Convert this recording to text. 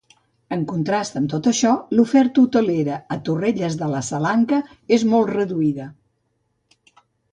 En contrast amb tot això, l'oferta hotelera a Torrelles de la Salanca és molt reduïda.